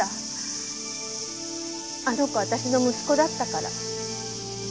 あの子私の息子だったから。